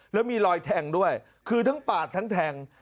แล้วมีรอยแทงด้วยคือทั้งปาดทั้งแทง